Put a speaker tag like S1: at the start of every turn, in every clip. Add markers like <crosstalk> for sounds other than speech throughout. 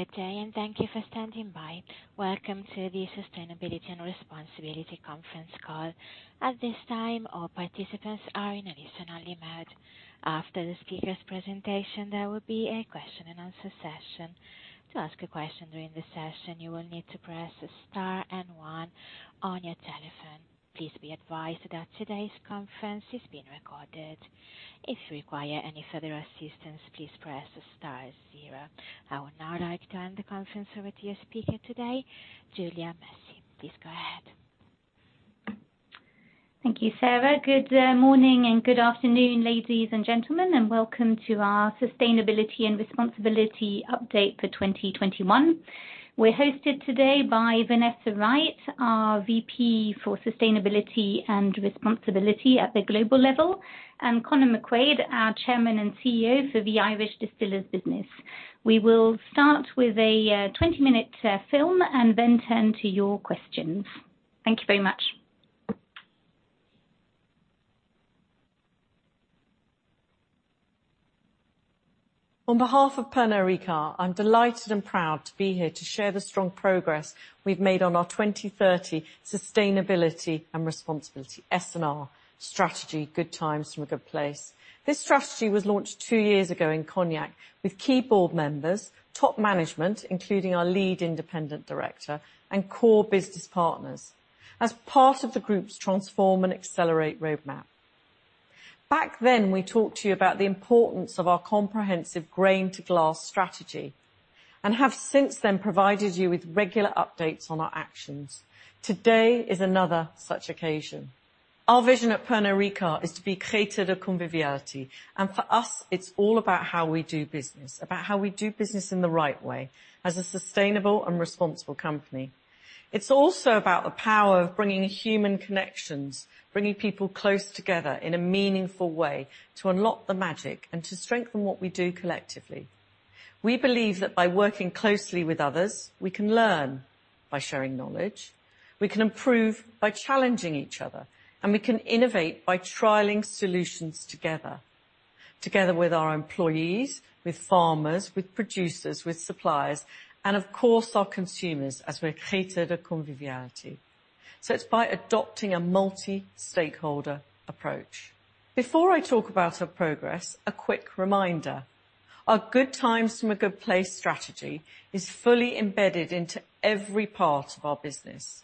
S1: Good day, and thank you for standing by. Welcome to the Sustainability and Responsibility conference call. At this time, all participants are in a listen-only mode. After the speaker's presentation, there will be a question-and-answer session. To ask a question during the session, you will need to press star and one on your telephone. Please be advised that today's conference is being recorded. If you require any further assistance, please press star zero. I will now hand the conference over to your speaker today, Julia. Please go ahead.
S2: Thank you, Sarah. Good morning, and good afternoon, ladies and gentlemen, and welcome to our Sustainability and Responsibility update for 2021. We're hosted today by Vanessa Wright, our VP for Sustainability and Responsibility at the global level, and Conor McQuaid, our Chairman and CEO for the Irish Distillers business. We will start with a 20-minute film and then turn to your questions. Thank you very much.
S3: On behalf of Pernod Ricard, I'm delighted and proud to be here to share the strong progress we've made on our 2030 Sustainability and Responsibility (S&R) strategy, Good Times from a Good Place. This strategy was launched two years ago in Cognac with key board members, top management, including our Lead Independent Director, and core business partners, as part of the group's Transform & Accelerate roadmap. Back then, we talked to you about the importance of our comprehensive grain-to-glass strategy and have since then provided you with regular updates on our actions. Today is another such occasion. Our vision at Pernod Ricard is to be Créateurs de Convivialité. For us, it's all about how we do business, about how we do business in the right way, as a sustainable and responsible company. It's also about the power of bringing human connections, bringing people close together in a meaningful way to unlock the magic and to strengthen what we do collectively. We believe that by working closely with others, we can learn by sharing knowledge, we can improve by challenging each other, and we can innovate by trialing solutions together with our employees, with farmers, with producers, with suppliers, and of course, our consumers, as we're Créateurs de Convivialité. It's by adopting a multi-stakeholder approach. Before I talk about our progress, a quick reminder. Our Good Times from a Good Place strategy is fully embedded into every part of our business.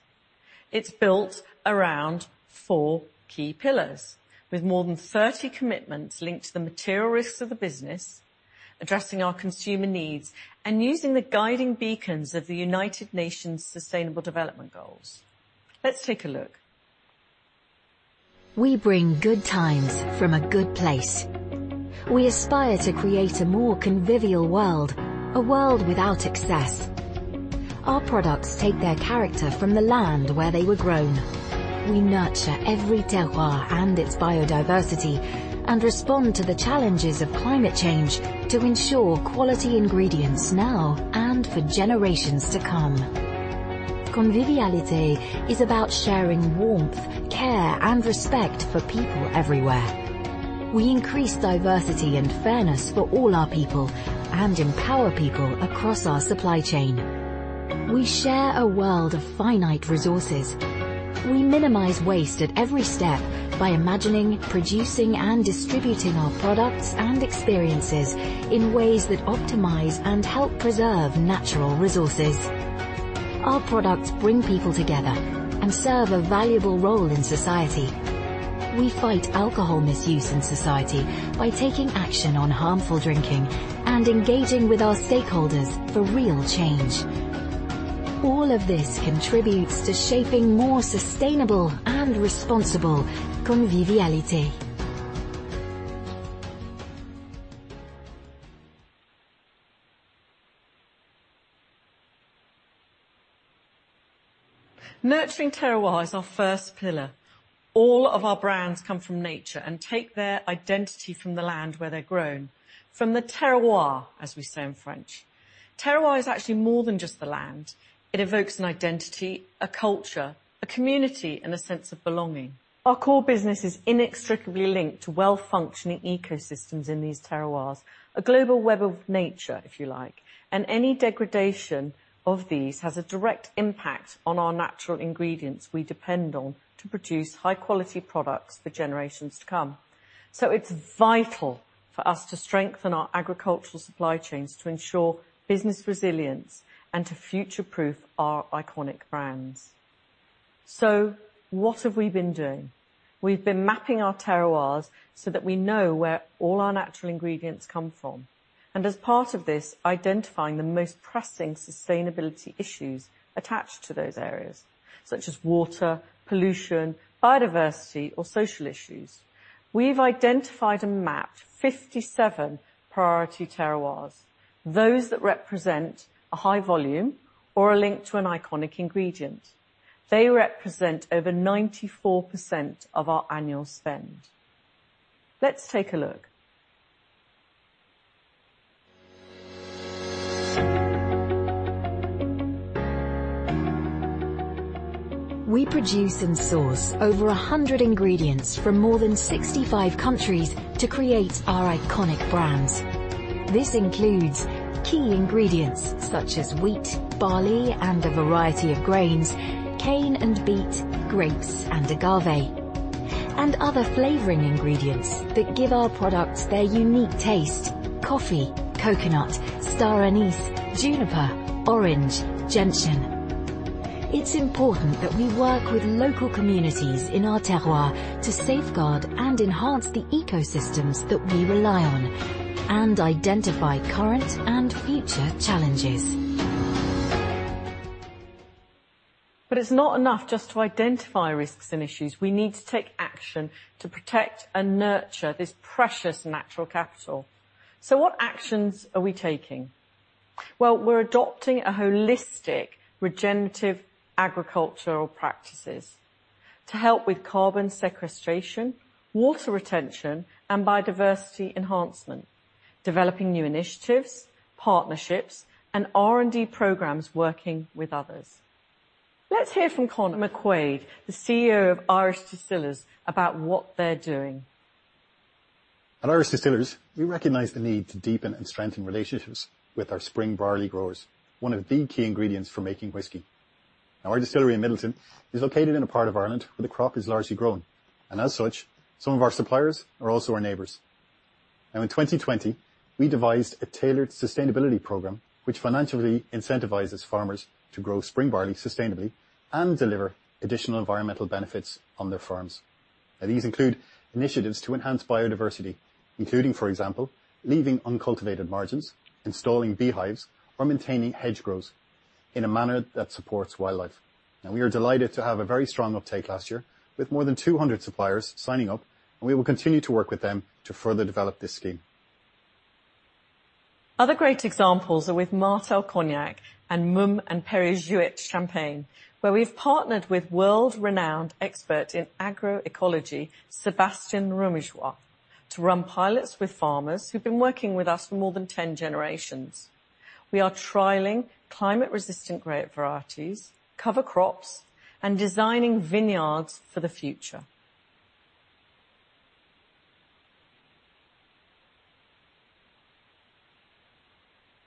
S3: It's built around four key pillars, with more than 30 commitments linked to the material risks of the business, addressing our consumer needs, and using the guiding beacons of the United Nations Sustainable Development Goals. Let's take a look.
S4: We bring Good Times from a Good Place. We aspire to create a more convivial world, a world without excess. Our products take their character from the land where they were grown. We nurture every terroir and its biodiversity and respond to the challenges of climate change to ensure quality ingredients now and for generations to come. Conviviality is about sharing warmth, care, and respect for people everywhere. We increase diversity and fairness for all our people and empower people across our supply chain. We share a world of finite resources. We minimize waste at every step by imagining, producing, and distributing our products and experiences in ways that optimize and help preserve natural resources. Our products bring people together and serve a valuable role in society. We fight alcohol misuse in society by taking action on harmful drinking and engaging with our stakeholders for real change. All of this contributes to shaping more sustainable and responsible convivialité.
S3: Nurturing terroir is our first pillar. All of our brands come from nature and take their identity from the land where they're grown, from the terroir, as we say in French. Terroir is actually more than just the land. It evokes an identity, a culture, a community, and a sense of belonging. Our core business is inextricably linked to well-functioning ecosystems in these terroirs, a global web of nature, if you like, and any degradation of these has a direct impact on our natural ingredients we depend on to produce high-quality products for generations to come. It's vital for us to strengthen our agricultural supply chains to ensure business resilience and to future-proof our iconic brands. What have we been doing? We've been mapping our terroirs so that we know where all our natural ingredients come from. As part of this, identifying the most pressing sustainability issues attached to those areas, such as water, pollution, biodiversity, or social issues. We've identified and mapped 57 priority terroirs, those that represent a high volume or a link to an iconic ingredient. They represent over 94% of our annual spend. Let's take a look.
S4: We produce and source over 100 ingredients from more than 65 countries to create our iconic brands. This includes key ingredients such as wheat, barley, and a variety of grains, cane and beet, grapes and agave, and other flavoring ingredients that give our products their unique taste, coffee, coconut, star anise, juniper, orange, gentian. It's important that we work with local communities in our terroir to safeguard and enhance the ecosystems that we rely on and identify current and future challenges.
S3: It's not enough just to identify risks and issues. We need to take action to protect and nurture this precious natural capital. What actions are we taking? Well, we're adopting a holistic regenerative agricultural practices to help with carbon sequestration, water retention, and biodiversity enhancement, developing new initiatives, partnerships, and R&D programs working with others. Let's hear from Conor McQuaid, the CEO of Irish Distillers, about what they're doing.
S5: At Irish Distillers, we recognize the need to deepen and strengthen relationships with our spring barley growers, one of the key ingredients for making whiskey. Our distillery in Midleton is located in a part of Ireland where the crop is largely grown. As such, some of our suppliers are also our neighbors. In 2020, we devised a tailored sustainability program, which financially incentivizes farmers to grow spring barley sustainably and deliver additional environmental benefits on their farms. These include initiatives to enhance biodiversity, including, for example, leaving uncultivated margins, installing beehives, or maintaining hedgerows in a manner that supports wildlife. We are delighted to have a very strong uptake last year with more than 200 suppliers signing up, and we will continue to work with them to further develop this scheme.
S3: Other great examples are with Martell Cognac and Mumm and Perrier-Jouët Champagne, where we've partnered with world-renowned expert in agroecology, Sébastien Roumegous, to run pilots with farmers who've been working with us for more than 10 generations. We are trialing climate-resistant grape varieties, cover crops, and designing vineyards for the future.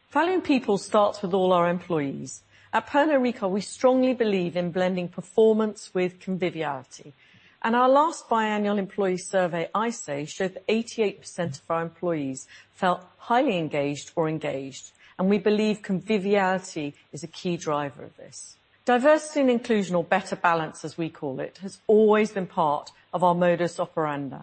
S3: Finding people starts with all our employees. At Pernod Ricard, we strongly believe in blending performance with conviviality, and our last biannual employee survey, I-Say, showed that 88% of our employees felt highly engaged or engaged, and we believe conviviality is a key driver of this. Diversity and inclusion, or better balance, as we call it, has always been part of our modus operandi,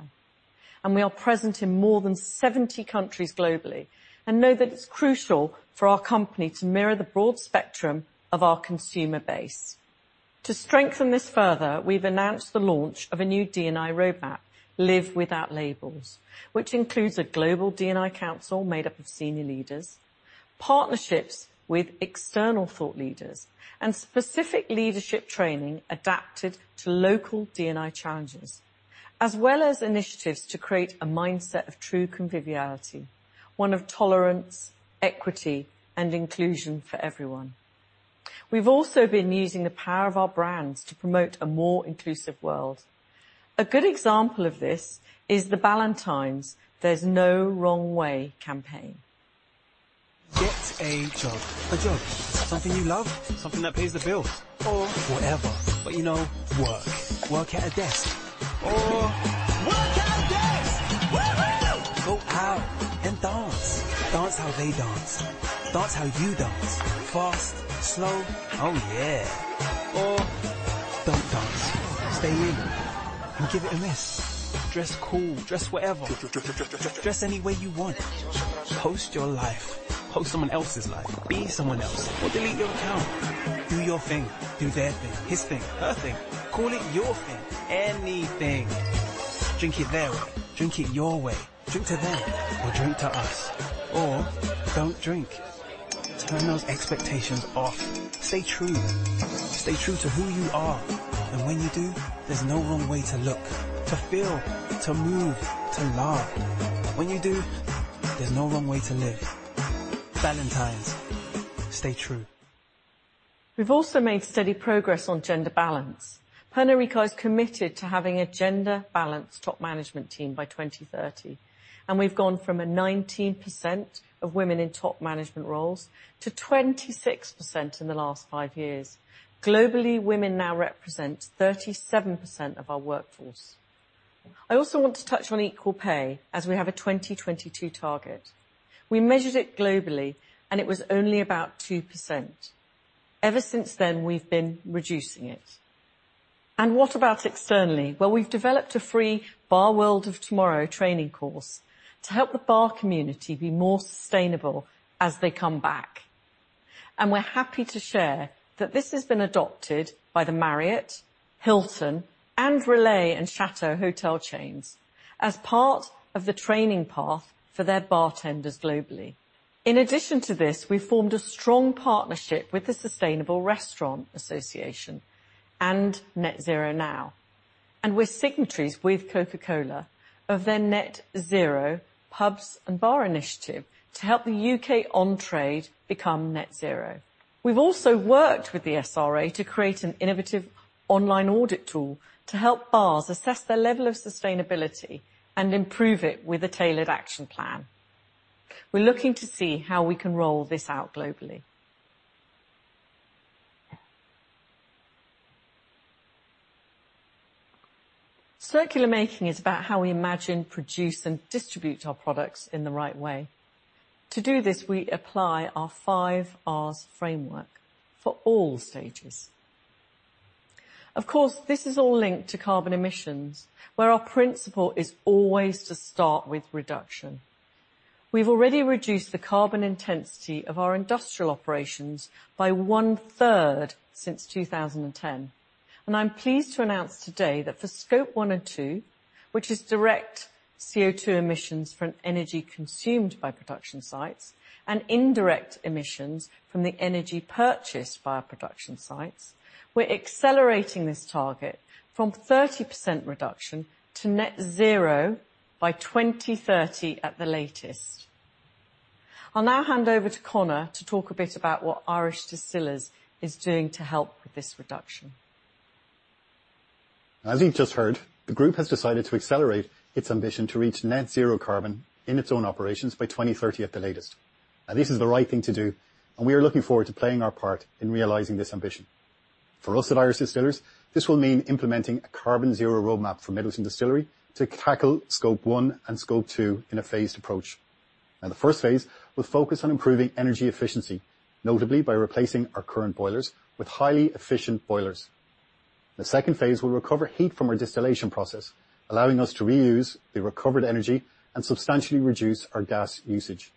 S3: and we are present in more than 70 countries globally and know that it's crucial for our company to mirror the broad spectrum of our consumer base. To strengthen this further, we've announced the launch of a new D&I roadmap, Live Without Labels, which includes a global D&I council made up of senior leaders, partnerships with external thought leaders, and specific leadership training adapted to local D&I challenges, as well as initiatives to create a mindset of true conviviality, one of tolerance, equity, and inclusion for everyone. We've also been using the power of our brands to promote a more inclusive world. A good example of this is the Ballantine's There's No Wrong Way campaign.
S4: Get a job. A job. Something you love. Something that pays the bills. Or whatever. But you know, work. Work at a desk. Or work at a desk. Woo-hoo. Go out and dance. Dance how they dance. Dance how you dance. Fast, slow. Oh, yeah. Or don't dance. Stay in and give it a miss. Dress cool. Dress whatever. Dress any way you want. Post your life. Post someone else's life. Be someone else. Delete your account. Do your thing. Do their thing. His thing. Her thing. Call it your thing. Anything. Drink it there. Drink it your way. Drink to them. Or drink to us. Or don't drink. Turn those expectations off. Stay true. Stay true to who you are. And when you do, there's no wrong way to look, to feel, to move, to love. When you do, there's no wrong way to live. Ballantine's. Stay true.
S3: We've also made steady progress on gender balance. Pernod Ricard is committed to having a gender-balanced top management team by 2030. We've gone from a 19% of women in top management roles to 26% in the last five years. Globally, women now represent 37% of our workforce. I also want to touch on equal pay, as we have a 2022 target. We measured it globally. It was only about 2%. Ever since then, we've been reducing it. What about externally? Well, we've developed a free Bar World of Tomorrow training course to help the bar community be more sustainable as they come back. We're happy to share that this has been adopted by the Marriott, Hilton, and Relais & Châteaux hotel chains as part of the training path for their bartenders globally. In addition to this, we formed a strong partnership with the Sustainable Restaurant Association and Net Zero Now. We're signatories with Coca-Cola of their Net Zero pubs and bar initiative to help the U.K. on-trade become net zero. We've also worked with the SRA to create an innovative online audit tool to help bars assess their level of sustainability and improve it with a tailored action plan. We're looking to see how we can roll this out globally. Circular making is about how we imagine, produce, and distribute our products in the right way. To do this, we apply our five R's framework for all stages. Of course, this is all linked to carbon emissions, where our principle is always to start with reduction. We've already reduced the carbon intensity of our industrial operations by one-third since 2010. I'm pleased to announce today that for Scope 1 and 2, which is direct CO2 emissions from energy consumed by production sites and indirect emissions from the energy purchased via production sites, we're accelerating this target from 30% reduction to net zero by 2030 at the latest. I'll now hand over to Conor to talk a bit about what Irish Distillers is doing to help with this reduction.
S5: As you just heard, the group has decided to accelerate its ambition to reach net zero carbon in its own operations by 2030 at the latest. This is the right thing to do, and we are looking forward to playing our part in realizing this ambition. For us at Irish Distillers, this will mean implementing a carbon-zero roadmap for Midleton Distillery to tackle Scope 1 and Scope 2 in a phased approach. The first phase will focus on improving energy efficiency, notably by replacing our current boilers with highly efficient boilers. The second phase will recover heat from our distillation process, allowing us to reuse the recovered energy and substantially reduce our gas usage.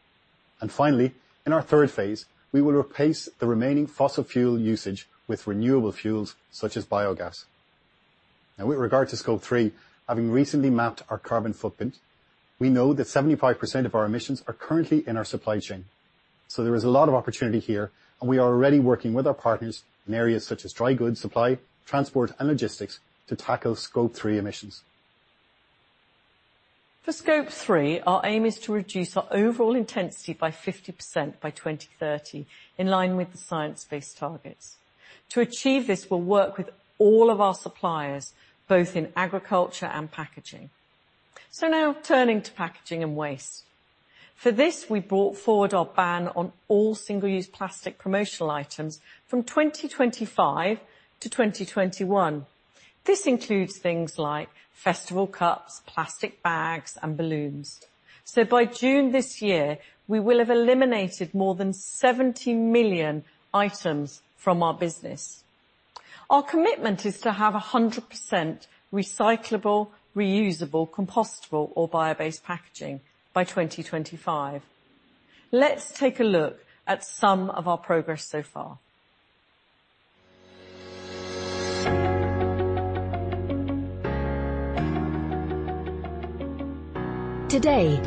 S5: Finally, in our third phase, we will replace the remaining fossil fuel usage with renewable fuels such as biogas. Now, with regard to Scope 3, having recently mapped our carbon footprint, we know that 75% of our emissions are currently in our supply chain. There is a lot of opportunity here, and we are already working with our partners in areas such as dry goods supply, transport, and logistics to tackle Scope 3 emissions.
S3: For Scope 3, our aim is to reduce our overall intensity by 50% by 2030, in line with the science-based targets. To achieve this, we'll work with all of our suppliers, both in agriculture and packaging. Now turning to packaging and waste. For this, we brought forward our ban on all single-use plastic promotional items from 2025 to 2021. This includes things like festival cups, plastic bags, and balloons. By June this year, we will have eliminated more than 70 million items from our business. Our commitment is to have 100% recyclable, reusable, compostable, or bio-based packaging by 2025. Let's take a look at some of our progress so far. Today,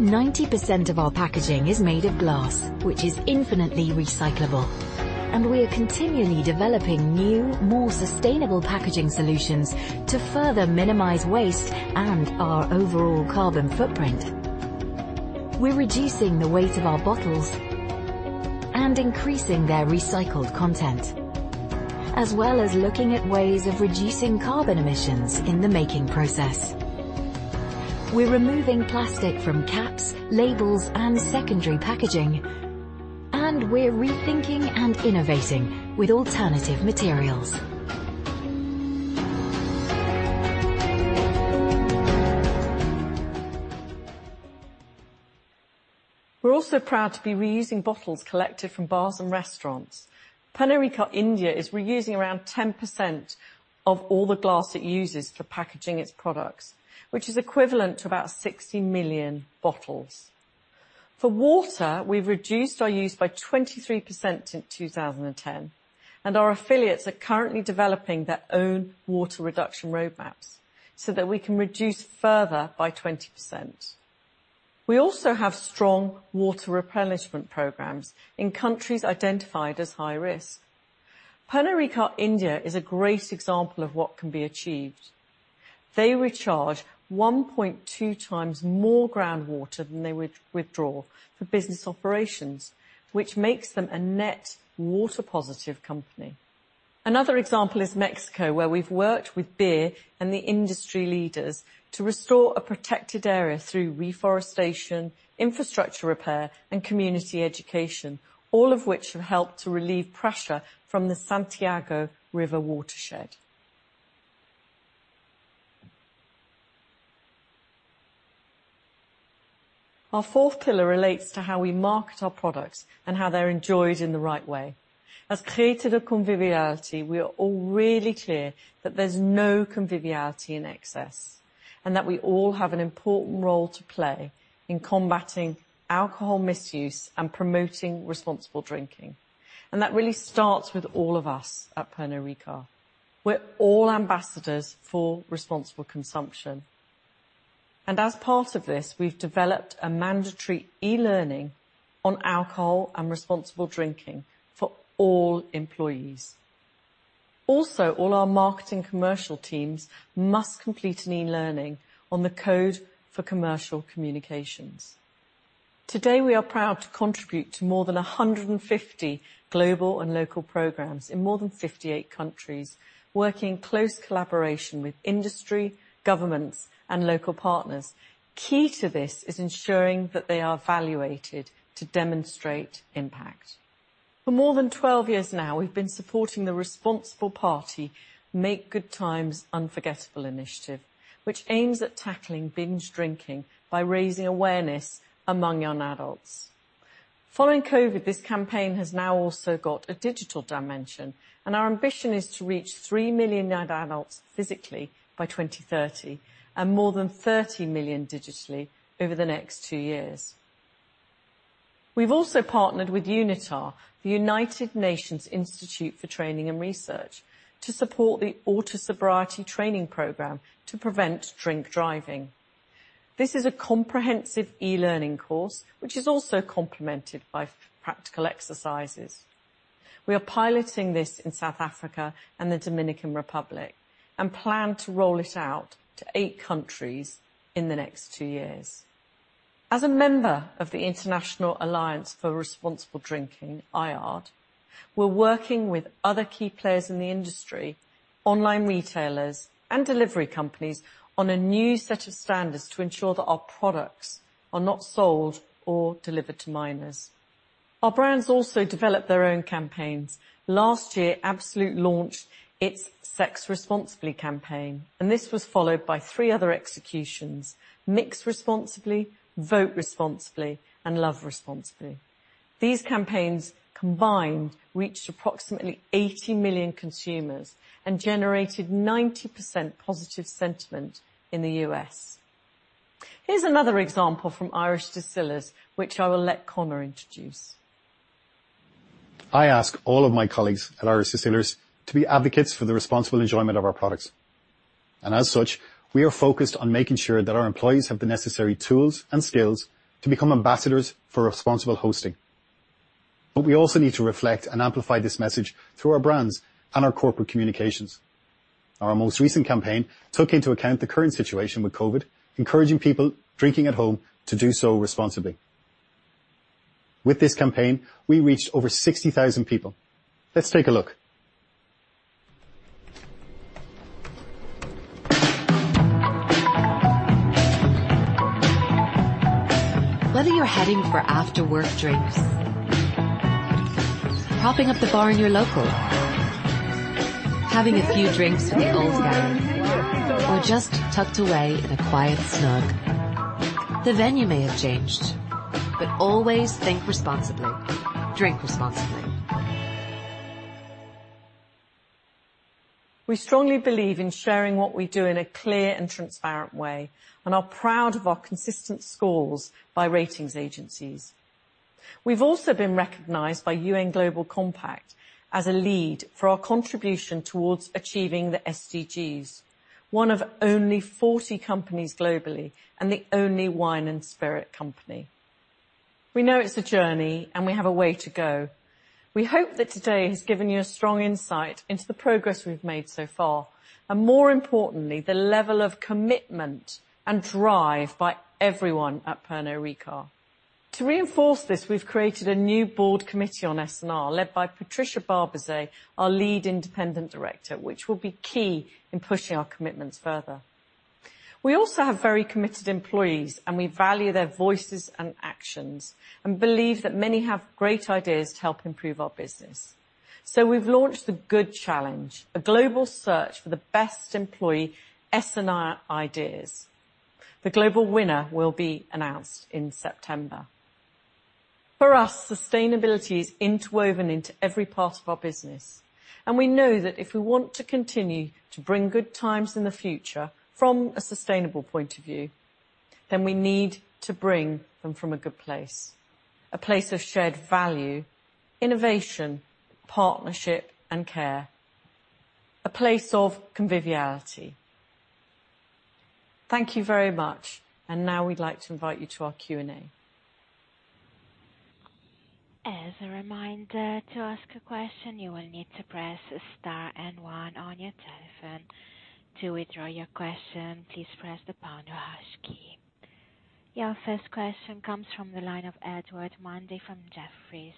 S3: 90% of our packaging is made of glass, which is infinitely recyclable, and we are continually developing new, more sustainable packaging solutions to further minimize waste and our overall carbon footprint. We're reducing the weight of our bottles and increasing their recycled content, as well as looking at ways of reducing carbon emissions in the making process. We're removing plastic from caps, labels, and secondary packaging, and we're rethinking and innovating with alternative materials. We're also proud to be reusing bottles collected from bars and restaurants. Pernod Ricard India is reusing around 10% of all the glass it uses for packaging its products, which is equivalent to about 60 million bottles. For water, we've reduced our use by 23% since 2010, and our affiliates are currently developing their own water reduction roadmaps so that we can reduce further by 20%. We also have strong water replenishment programs in countries identified as high risk. Pernod Ricard India is a great example of what can be achieved. They recharge 1.2x more groundwater than they withdraw for business operations, which makes them a net water positive company. Another example is Mexico, where we've worked with beer and the industry leaders to restore a protected area through reforestation, infrastructure repair, and community education, all of which have helped to relieve pressure from the Santiago river watershed. Our fourth pillar relates to how we market our products and how they're enjoyed in the right way. As Créateurs de Convivialité, we are all really clear that there's no convivialité in excess and that we all have an important role to play in combating alcohol misuse and promoting responsible drinking, and that really starts with all of us at Pernod Ricard. We're all ambassadors for responsible consumption. As part of this, we've developed a mandatory e-learning on alcohol and responsible drinking for all employees. Also, all our marketing commercial teams must complete an e-learning on the code for commercial communications. Today, we are proud to contribute to more than 150 global and local programs in more than 58 countries, working in close collaboration with industry, governments, and local partners. Key to this is ensuring that they are evaluated to demonstrate impact. For more than 12 years now, we've been supporting the Responsible Party Make Good Times Unforgettable initiative, which aims at tackling binge drinking by raising awareness among young adults. Following COVID, this campaign has now also got a digital dimension. Our ambition is to reach 3 million young adults physically by 2030 and more than 30 million digitally over the next two years. We've also partnered with UNITAR, the United Nations Institute for Training and Research, to support the Auto-Sobriety Training Programme to prevent drink driving. This is a comprehensive e-learning course, which is also complemented by practical exercises. We are piloting this in South Africa and the Dominican Republic and plan to roll it out to eight countries in the next two years. As a member of the International Alliance for Responsible Drinking, IARD, we're working with other key players in the industry, online retailers, and delivery companies on a new set of standards to ensure that our products are not sold or delivered to minors. Our brands also develop their own campaigns. Last year, Absolut launched its Sex Responsibly campaign, and this was followed by three other executions: Mix Responsibly, Vote Responsibly, and Love Responsibly. These campaigns combined reached approximately 80 million consumers and generated +90% sentiment in the U.S. Here's another example from Irish Distillers, which I will let Conor introduce.
S5: I ask all of my colleagues at Irish Distillers to be advocates for the responsible enjoyment of our products. As such, we are focused on making sure that our employees have the necessary tools and skills to become ambassadors for responsible hosting. We also need to reflect and amplify this message through our brands and our corporate communications. Our most recent campaign took into account the current situation with COVID, encouraging people drinking at home to do so responsibly. With this campaign, we reached over 60,000 people. Let's take a look.
S4: Whether you're heading for after-work drinks, propping up the bar in your local, having a few drinks with the old gang, or just tucked away in a quiet snug, the venue may have changed, but always think responsibly, drink responsibly.
S3: We strongly believe in sharing what we do in a clear and transparent way and are proud of our consistent scores by ratings agencies. We've also been recognized by UN Global Compact as a lead for our contribution towards achieving the SDGs, one of only 40 companies globally and the only wine and spirit company. We know it's a journey; we have a way to go. We hope that today has given you a strong insight into the progress we've made so far, and more importantly, the level of commitment and drive by everyone at Pernod Ricard. To reinforce this, we've created a new board committee on S&R led by Patricia Barbizet, our Lead Independent Director, which will be key in pushing our commitments further. We also have very committed employees, and we value their voices and actions and believe that many have great ideas to help improve our business. We've launched The Good Challenge, a global search for the best employee S&R ideas. The global winner will be announced in September. For us, sustainability is interwoven into every part of our business, and we know that if we want to continue to bring good times in the future from a sustainable point of view, then we need to bring them from a good place, a place of shared value, innovation, partnership, and care, a place of conviviality. Thank you very much. Now we'd like to invite you to our Q&A.
S1: As a reminder to ask a question, you will need to press star and one on your telephone. To withdraw your question, please press pound or hash key. Your first question comes from the line of Edward Mundy from Jefferies.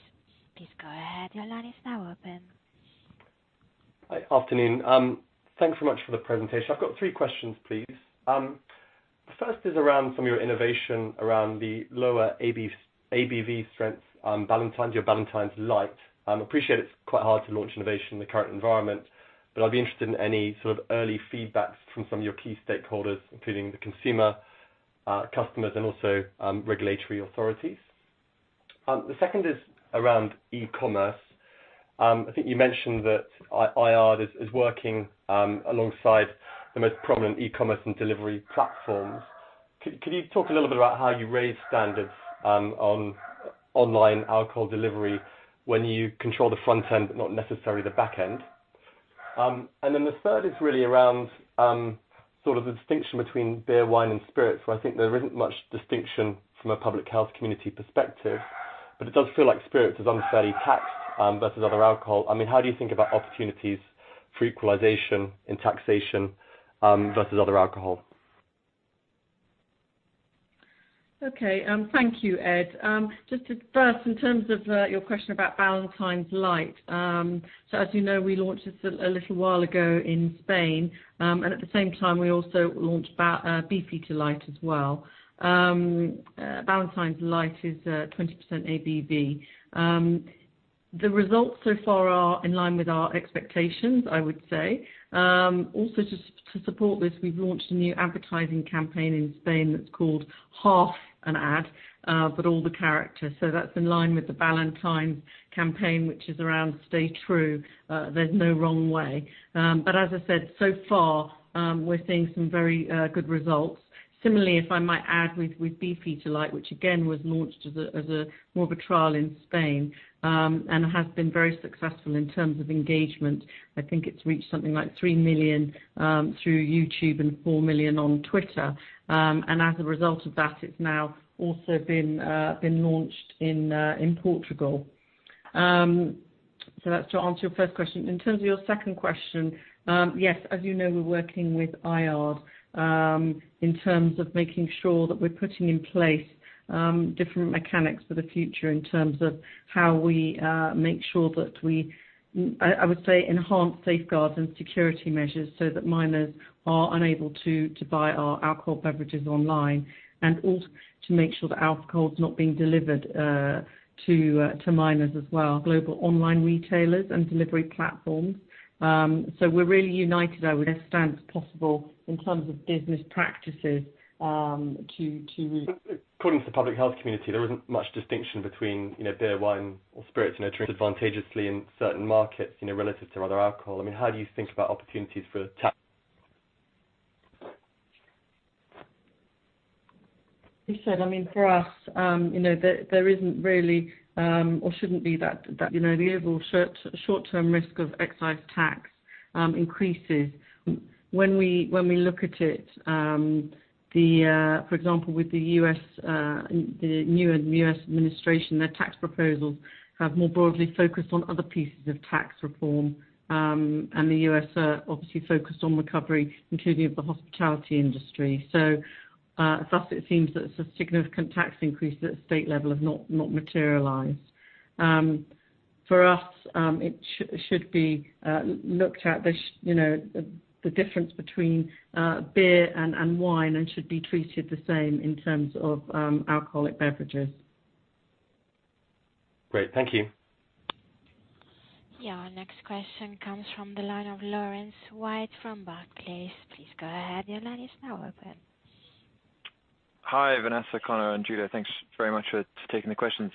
S1: Please go ahead. Your line is now open.
S6: Hi. Afternoon. Thanks very much for the presentation. I've got three questions, please. The first is around some of your innovation around the lower ABV strengths, your Ballantine's Light. I appreciate it's quite hard to launch innovation in the current environment, but I'd be interested in any sort of early feedback from some of your key stakeholders, including the consumer, customers, and also regulatory authorities. The second is around e-commerce. I think you mentioned that IARD is working alongside the most prominent e-commerce and delivery platforms. Can you talk a little bit about how you raise standards on online alcohol delivery when you control the front end, but not necessarily the back end? The third is really around the distinction between beer, wine, and spirits. I think there isn't much distinction from a public health community perspective, but it does feel like spirits is unfairly taxed versus other alcohol. How do you think about opportunities for equalization in taxation versus other alcohol?
S3: Okay. Thank you, Ed. Just first, in terms of your question about Ballantine's Light. As you know, we launched this a little while ago in Spain, and at the same time, we also launched Beefeater Light as well. Ballantine's Light is 20% ABV. The results so far are in line with our expectations, I would say. Also, just to support this, we've launched a new advertising campaign in Spain that's called Half an Ad, but All the Characters. That's in line with the Ballantine's campaign, which is around stay true, there's no wrong way. As I said, so far, we're seeing some very good results. Similarly, if I might add, with Beefeater Light, which again was launched as more of a trial in Spain, and has been very successful in terms of engagement. I think it's reached something like 3 million through YouTube and 4 million on Twitter. As a result of that, it's now also been launched in Portugal. That's to answer your first question. In terms of your second question, yes, as you know, we're working with IARD in terms of making sure that we're putting in place different mechanics for the future in terms of how we make sure that we, I would say, enhance safeguards and security measures so that minors are unable to buy our alcohol beverages online and also to make sure that alcohol is not being delivered to minors as well. Global online retailers and delivery platforms. We're really united our best stance possible in terms of business practices.
S6: According to the public health community, there isn't much distinction between beer, wine, or spirits treated advantageously in certain markets relative to other alcohol. How do you think about opportunities for tax?
S3: You said, for us, there isn't really or shouldn't be that, the overall short-term risk of excise tax increases. When we look at it, for example, with the U.S., the new U.S. administration, their tax proposals have more broadly focused on other pieces of tax reform, and the U.S. are obviously focused on recovery, including of the hospitality industry. Thus, it seems that a significant tax increase at state level has not materialized. For us, it should be looked at the difference between beer and wine and should be treated the same in terms of alcoholic beverages.
S6: Great. Thank you.
S1: Yeah. Next question comes from the line of Laurence Whyatt from Barclays. Please go ahead. Your line is now open.
S7: Hi, Vanessa, Conor, and Julia. Thanks very much for taking the questions.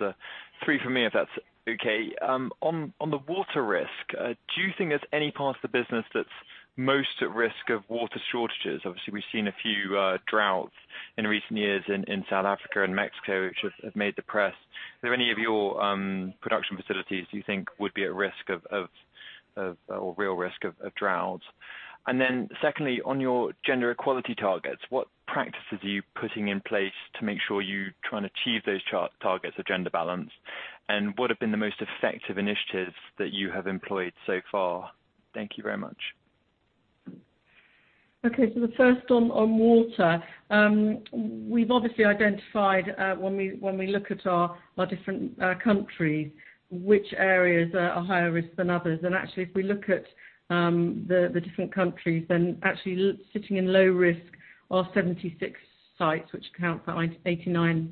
S7: Three from me, if that's okay. On the water risk, do you think there's any part of the business that's most at risk of water shortages? Obviously, we've seen a few droughts in recent years in South Africa and Mexico, which have made the press. Are there any of your production facilities you think would be at risk or real risk of drought? Then secondly, on your gender equality targets, what practices are you putting in place to make sure you try and achieve those targets of gender balance? What have been the most effective initiatives that you have employed so far? Thank you very much.
S3: Okay. The first on water. We've obviously identified when we look at our different countries, which areas are higher risk than others. Actually, if we look at the different countries, then actually sitting, in low risk are 76 sites, which account for 89%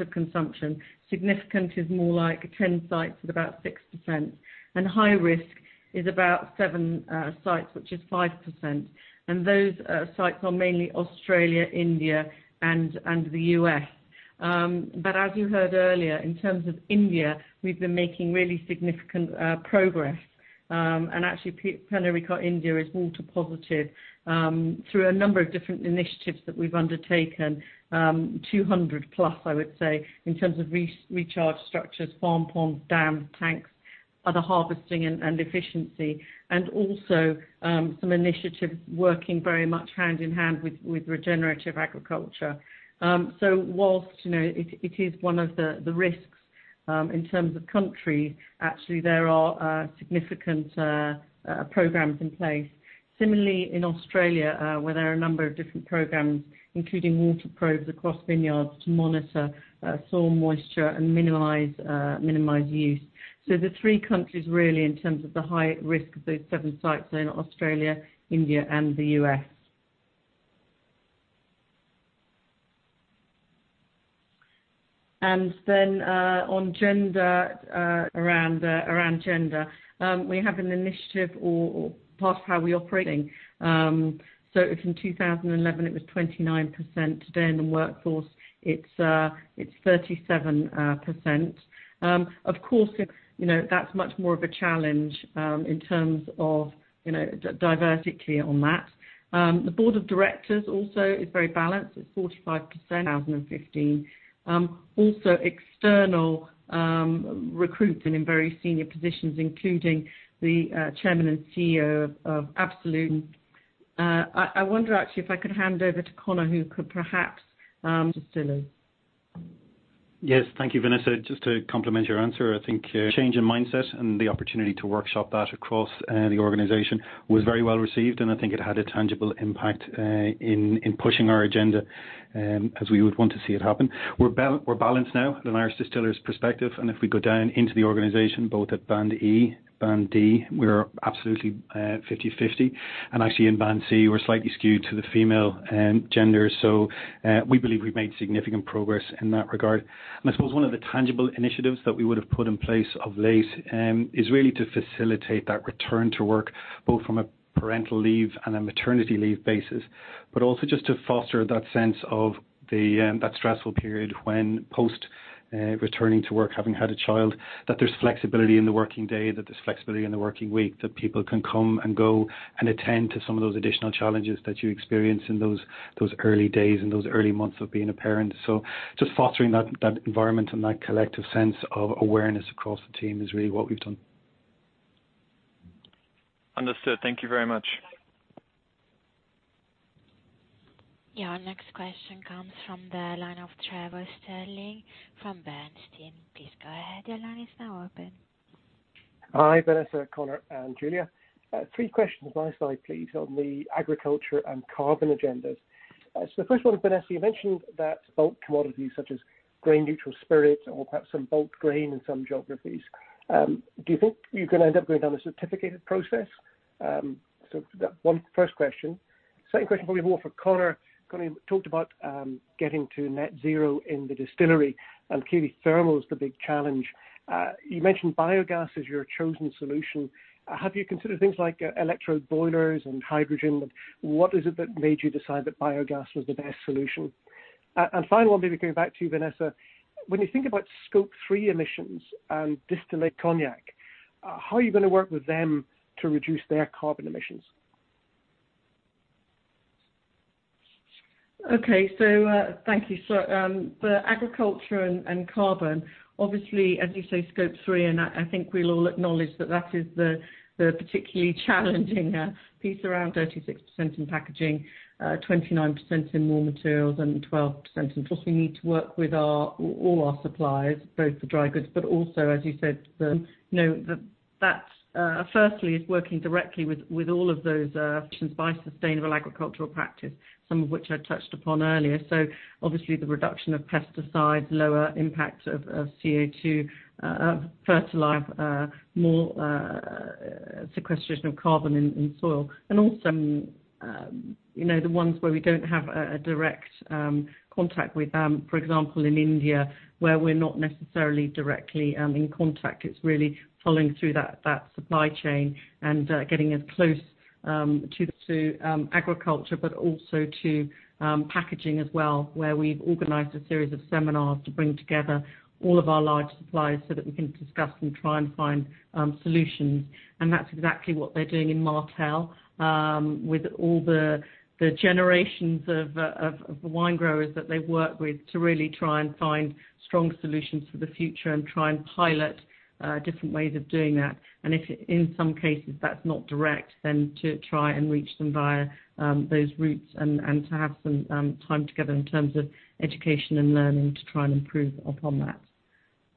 S3: of consumption. Significant is more like 10 sites at about 6%. High risk is about seven sites, which is 5%. Those sites are mainly Australia, India, and the U.S. As you heard earlier, in terms of India, we've been making really significant progress. Actually, Pernod Ricard India is water positive through a number of different initiatives that we've undertaken, 200+, I would say, in terms of recharge structures, farm ponds, dam tanks, other harvesting and efficiency, and also some initiatives working very much hand in hand with regenerative agriculture. Whilst it is one of the risks in terms of country, actually, there are significant programs in place. Similarly, in Australia, where there are a number of different programs, including water probes across vineyards to monitor soil moisture and minimize use. The three countries really in terms of the higher risk of those seven sites, are Australia, India, and the U.S.. Then on gender, around gender. We have an initiative or part of how we operating. If in 2011, it was 29%, today in the workforce, it's 37%. Of course, that's much more of a challenge in terms of diversity on that. The board of directors also is very balanced at 45% in 2015. external recruitment in very senior positions, including the Chairman and CEO of Absolut. I wonder actually, if I could hand over to Conor, who could perhaps answer.
S5: Yes. Thank you, Vanessa. Just to complement your answer, I think a change in mindset and the opportunity to workshop that across the organization was very well received. I think it had a tangible impact in pushing our agenda as we would want to see it happen. We're balanced now from an Irish Distillers perspective, and if we go down into the organization, both at Band E, Band D, we are absolutely 50/50. Actually, in Band C, we're slightly skewed to the female gender. We believe we've made significant progress in that regard. I suppose one of the tangible initiatives that we would have put in place of late is really to facilitate that return to work, both from a parental leave and a maternity leave basis, but also just to foster that sense of that stressful period when post returning to work, having had a child, that there's flexibility in the working day, that there's flexibility in the working week, that people can come and go and attend to some of those additional challenges that you experience in those early days, in those early months of being a parent. Just fostering that environment and that collective sense of awareness across the team is really what we've done.
S7: Understood. Thank you very much.
S1: Your next question comes from the line of Trevor Stirling from Bernstein. Please go ahead.
S8: Hi, Vanessa, Conor, and Julia. Three questions, one aside, please, on the agriculture and carbon agendas. The first one, Vanessa, you mentioned that bulk commodities such as grain-neutral spirit or perhaps some bulk grain in some geographies. Do you think you're going to end up going down a certificated process? Second question probably more for Conor. Conor, you talked about getting to net zero in the distillery, and clearly, thermal is the big challenge. You mentioned biogas as your chosen solution. Have you considered things like electro boilers and hydrogen? What is it that made you decide that biogas was the best solution? Finally, I wanted to go back to you, Vanessa. When you think about Scope 3 emissions and distillery cognac, how are you going to work with them to reduce their carbon emissions?
S3: Okay. Thank you. For agriculture and carbon, obviously, as you say, Scope 3, and I think we'll acknowledge that that is the particularly challenging piece around 36% in packaging, 29% in raw materials, and 12% in costs. We need to work with all our suppliers, both for dry goods, but also, as you said, that firstly is working directly with all of those by sustainable agricultural practice, some of which I touched upon earlier. Obviously, the reduction of pesticides, lower impact of CO2, fertilize more sequestration of carbon in soil. Also, the ones where we don't have a direct contract with. For example, in India, where we're not necessarily directly in contact. It's really following through that supply chain and getting as close to agriculture, but also to packaging as well, where we've organized a series of seminars to bring together all of our large suppliers so that we can discuss and try and find solutions. That's exactly what they're doing in Martell with all the generations of the wine growers that they work with to really try and find strong solutions for the future and try and pilot different ways of doing that. If in some cases that's not direct, then to try and reach them via those routes and to have some time together in terms of education and learning to try and improve upon that.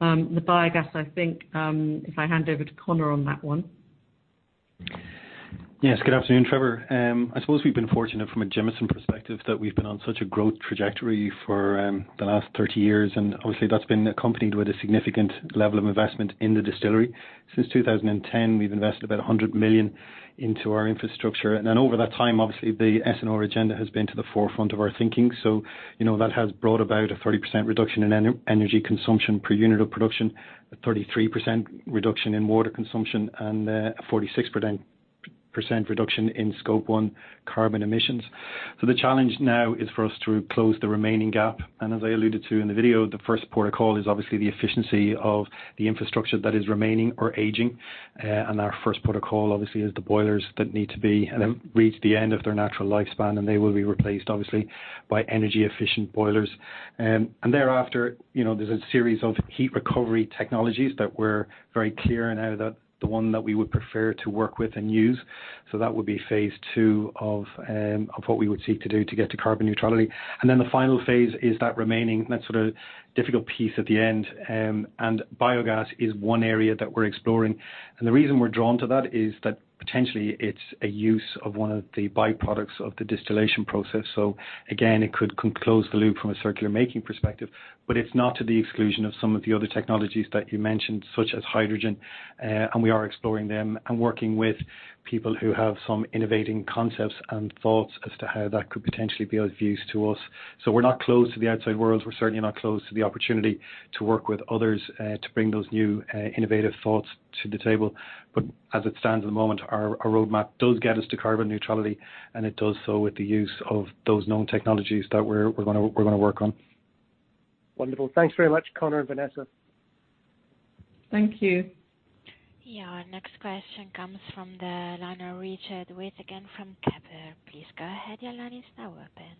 S3: The biogas, I think, if I hand over to Conor on that one.
S5: Yes. Good afternoon, Trevor. I suppose we've been fortunate from a Jameson perspective that we've been on such a growth trajectory for the last 30 years. Obviously, that's been accompanied with a significant level of investment in the distillery. Since 2010, we've invested about 100 million into our infrastructure. Over that time, obviously, the S&R agenda has been to the forefront of our thinking. That has brought about a 30% reduction in energy consumption per unit of production, a 33% reduction in water consumption, and a 46% reduction in Scope 1 carbon emissions. The challenge now is for us to close the remaining gap. As I alluded to in the video, the first port of call is obviously the efficiency of the infrastructure that is remaining or aging. Our first port of call, obviously, is the boilers that need to reach the end of their natural lifespan, and they will be replaced, obviously, by energy-efficient boilers. Thereafter, there's a series of heat recovery technologies that we're very clear in how the one that we would prefer to work with and use. That would be phase 2 of what we would seek to do to get to carbon neutrality. The final phase is that remaining, that sort of difficult piece at the end. Biogas is one area that we're exploring. The reason we're drawn to that is that potentially it's a use of one of the byproducts of the distillation process. Again, it could close the loop from a circular making perspective, but it's not to the exclusion of some of the other technologies that you mentioned, such as hydrogen. We are exploring them and working with people who have some innovative concepts and thoughts as to how that could potentially be of use to us. We're not closed to the outside world. We're certainly not closed to the opportunity to work with others to bring those new innovative thoughts to the table. As it stands at the moment, our roadmap does get us to carbon neutrality, and it does so with the use of those known technologies that we're going to work on.
S8: Wonderful. Thanks very much, Conor and Vanessa.
S3: Thank you.
S1: Your next question comes from the line of Richard Withagen again from Kepler. Please go ahead. Your line is now open.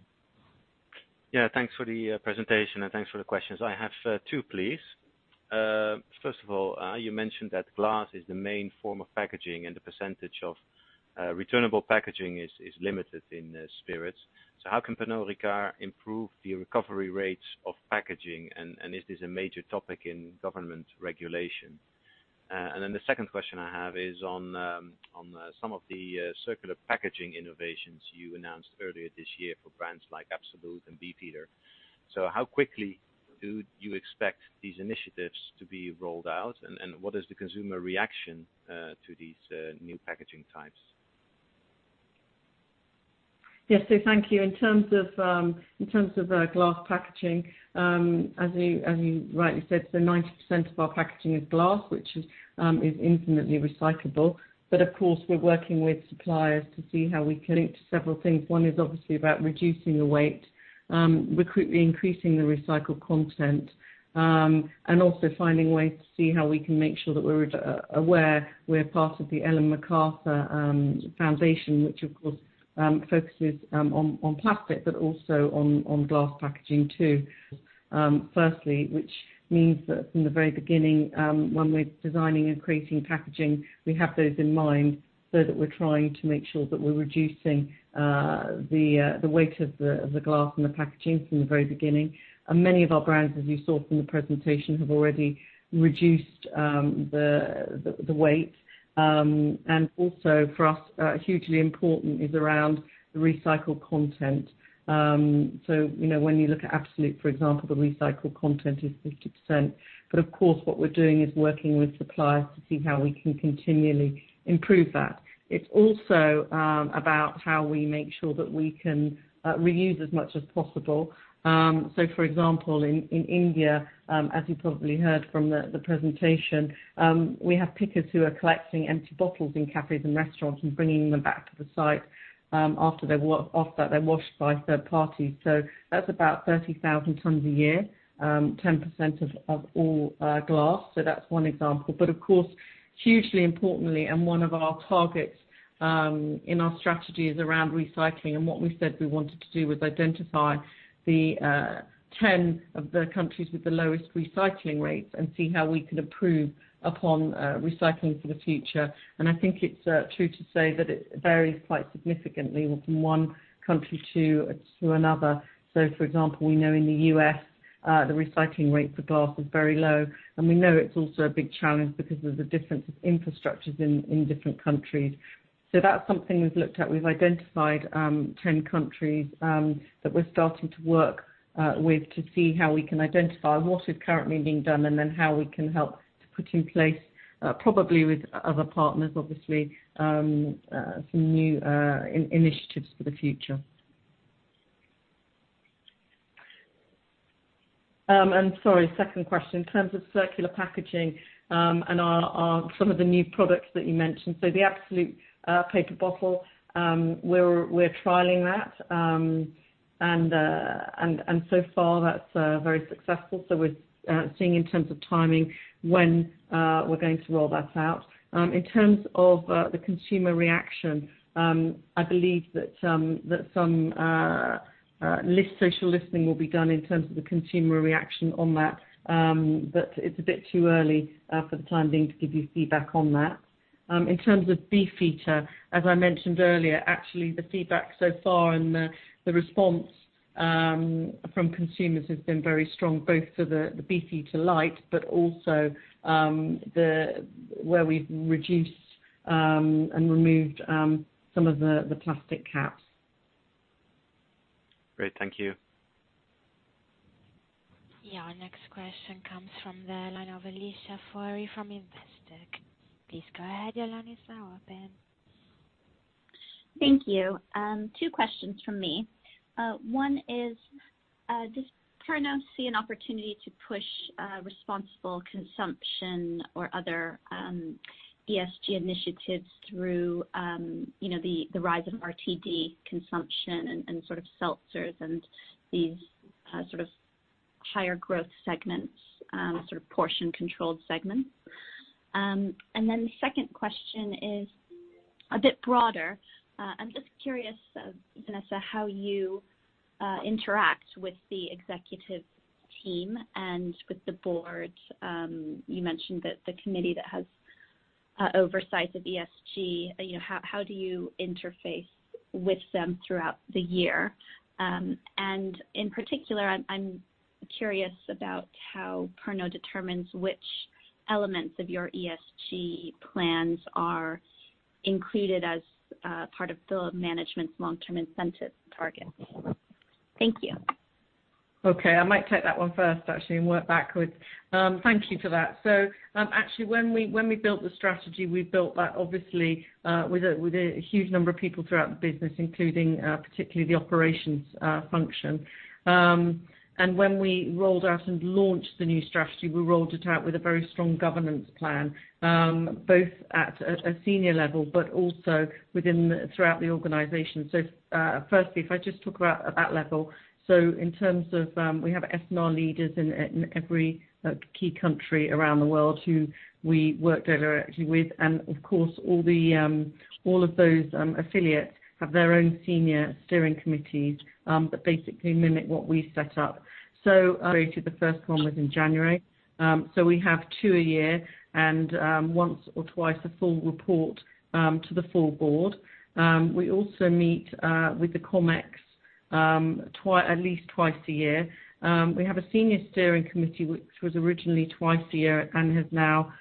S9: Thanks for the presentation and thanks for the questions. I have two, please. First of all, you mentioned that glass is the main form of packaging, and the percentage of returnable packaging is limited in spirits. How can Pernod Ricard improve the recovery rates of packaging? Is this a major topic in government regulation? The second question I have is on some of the circular packaging innovations you announced earlier this year for brands like Absolut and Beefeater. How quickly do you expect these initiatives to be rolled out, and what is the consumer reaction to these new packaging types?
S3: Yes, thank you. In terms of glass packaging, as you rightly said, 90% of our packaging is glass, which is infinitely recyclable. Of course, we're working with suppliers to see how we can do several things. One is obviously about reducing the weight, increasing the recycled content, and also finding ways to see how we can make sure that we're aware. We're part of the Ellen MacArthur Foundation, which, of course, focuses on plastic, but also on glass packaging too. Firstly, which means that from the very beginning, when we're designing and creating packaging, we have those in mind so that we're trying to make sure that we're reducing the weight of the glass and the packaging from the very beginning. Many of our brands, as you saw from the presentation, have already reduced the weight. Also, for us, hugely important is around the recycled content. When you look at Absolut, for example, the recycled content is 50%. Of course, what we're doing is working with suppliers to see how we can continually improve that. It's also about how we make sure that we can reuse as much as possible. For example, in India, as you probably heard from the presentation, we have pickers who are collecting empty bottles in cafes and restaurants and bringing them back to the site after they're washed by third parties. That's about 30,000 tons a year, 10% of all glass. That's one example. Of course, hugely importantly, and one of our targets in our strategies around recycling and what we said we wanted to do was identify the 10 of the countries with the lowest recycling rates and see how we can improve upon recycling for the future. I think it's true to say that it varies quite significantly from one country to another. For example, we know in the U.S., the recycling rate for glass is very low, and we know it's also a big challenge because of the difference of infrastructures in different countries. That's something we've looked at. We've identified 10 countries that we're starting to work with to see how we can identify what is currently being done and then how we can help to put in place, probably with other partners, obviously, some new initiatives for the future. Sorry, second question in terms of circular packaging, and on some of the new products that you mentioned. The Absolut paper bottle, we're trialing that, and so far, that's very successful. We're seeing in terms of timing when we're going to roll that out. In terms of the consumer reaction, I believe that some social listening will be done in terms of the consumer reaction on that. It's a bit too early for timing to give you feedback on that. In terms of Beefeater, as I mentioned earlier, actually, the feedback so far and the response from consumers has been very strong, both for the Beefeater Light, but also where we've reduced and removed some of the plastic caps.
S9: Great. Thank you.
S1: Yeah, our next question comes from the line of Alicia Forry from Investec. Please go ahead, your line is now open.
S10: Thank you. Two questions from me. One is, does Pernod see an opportunity to push responsible consumption or other ESG initiatives through the rise of RTD consumption and sort of seltzers and these sort of higher growth segments, sort of portion-controlled segments? The second question is a bit broader. I'm just curious, Vanessa Wright, how you interact with the executive team and with the board. You mentioned that the committee that has oversight of ESG, how do you interface with them throughout the year? In particular, I'm curious about how Pernod determines which elements of your ESG plans are included as part of <audio distortion> management long-term incentive targets. Thank you.
S3: Okay. I might take that one first, actually, and work backwards. Thank you for that. Actually, when we built the strategy, we built that obviously, with a huge number of people throughout the business, including particularly the operations function. When we rolled out and launched the new strategy, we rolled it out with a very strong governance plan, both at a senior level but also throughout the organization. Firstly, if I just talk about at that level, in terms of, we have S&R leaders in every key country around the world who we work directly with. Of course, all of those affiliates have their own senior steering committees that basically mimic what we set up. The first one was in January. We have two a year, and once or twice a full report to the full board. We also meet with the Comex. At least twice a year. We have a senior steering committee which was originally twice a year and has now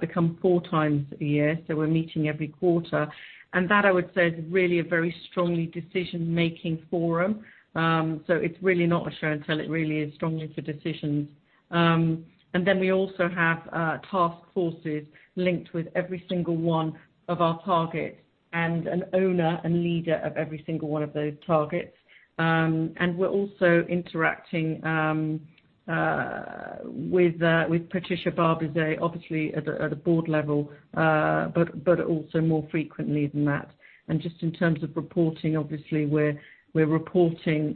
S3: become four times a year, so we're meeting every quarter. That, I would say, is really a very strongly decision-making forum. It's really not a show and tell. It really is strongly for decisions. We also have task forces linked with every single one of our targets and an owner and leader of every single one of those targets. We're also interacting with Patricia Barbizet, obviously at the board level, but also more frequently than that. Just in terms of reporting, obviously,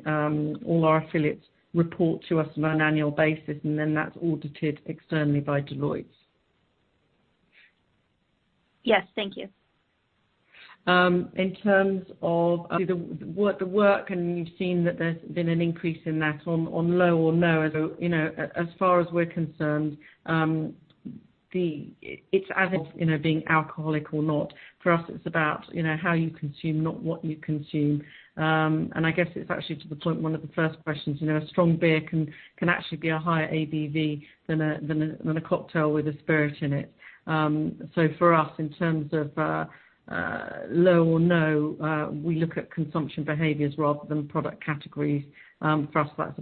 S3: all our affiliates report to us on an annual basis, and then that's audited externally by Deloitte.
S10: Yes. Thank you.
S3: In terms of the work, you've seen that there's been an increase in that. On low or no, as far as we're concerned, it's about being alcoholic or not. For us, it's about how you consume, not what you consume. I guess it's actually to the point of one of the first questions: a strong beer can actually be a higher ABV than a cocktail with a spirit in it. For us, in terms of low or no, we look at consumption behaviors rather than product categories. For us, that's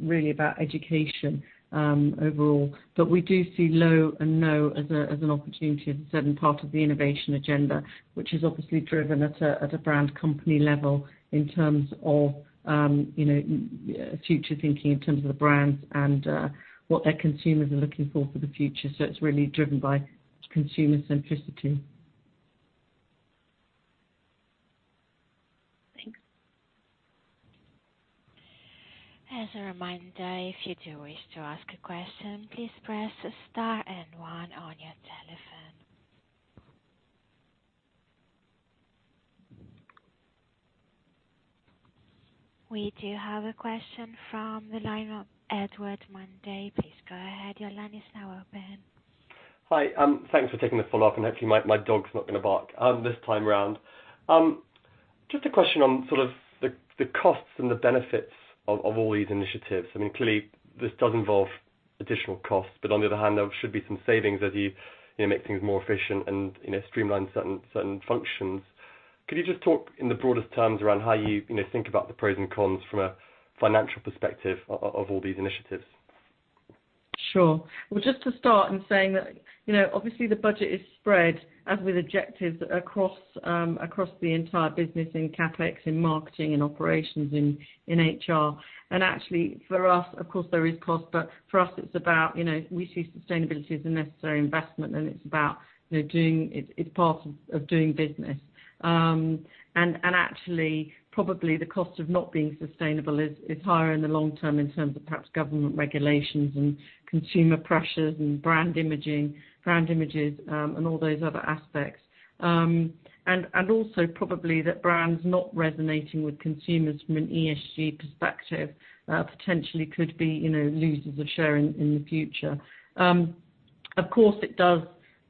S3: really about education overall. We do see low and no as an opportunity, as I said, and part of the innovation agenda, which is obviously driven at a brand company level in terms of future thinking in terms of the brands and what their consumers are looking for for the future. It's really driven by consumer centricity.
S10: Thanks.
S1: As a reminder, if you do wish to ask a question, please press star and one on your telephone. We do have a question from the line of Edward Mundy. Please go ahead. Your line is now open.
S6: Hi. Thanks for taking the call. I hope my dog's not going to bark this time around. Just a question on the costs and the benefits of all these initiatives. Clearly, this does involve additional costs, but on the other hand, there should be some savings as you make things more efficient and streamline certain functions. Could you just talk in the broadest terms around how you think about the pros and cons from a financial perspective of all these initiatives?
S3: Just to start in saying that obviously the budget is spread, as with objectives, across the entire business in CapEx, in marketing, in operations, in HR. Actually, for us, of course, there is cost, but for us, we see sustainability as a necessary investment, and it's part of doing business. Actually, probably the cost of not being sustainable is higher in the long term in terms of perhaps government regulations and consumer pressures and brand images, and all those other aspects. Also probably that brands not resonating with consumers from an ESG perspective potentially could be losers of share in the future. It does,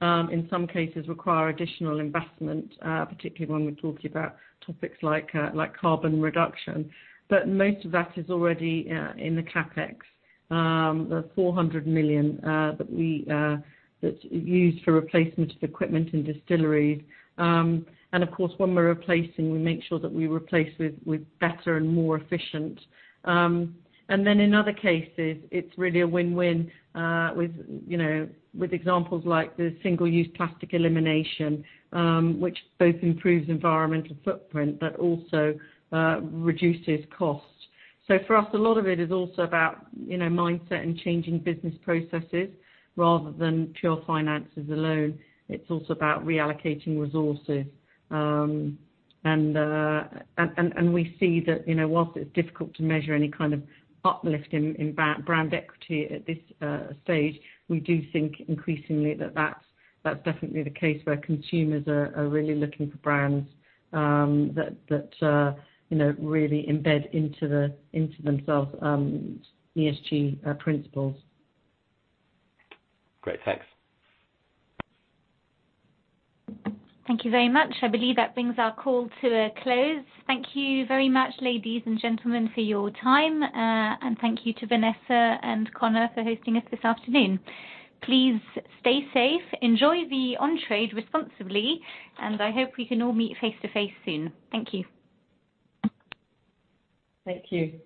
S3: in some cases, require additional investment, particularly when we're talking about topics like carbon reduction. Most of that is already in the CapEx, the 400 million that's used for replacement of equipment in distilleries. Of course, when we're replacing, we make sure that we replace it with better and more efficient. In other cases, it's really a win-win, with examples like the single-use plastic elimination, which both improves environmental footprint but also reduces costs. For us, a lot of it is also about mindset and changing business processes rather than pure finances alone. It's also about reallocating resources. We see that while it's difficult to measure any kind of uplift in brand equity at this stage, we do think increasingly that that's definitely the case where consumers are really looking for brands that really embed into themselves ESG principles.
S6: Great. Thanks.
S2: Thank you very much. I believe that brings our call to a close. Thank you very much, ladies and gentlemen, for your time. Thank you to Vanessa and Conor for hosting us this afternoon. Please stay safe, enjoy the on-trade responsibly, and I hope we can all meet face to face soon. Thank you.
S3: Thank you.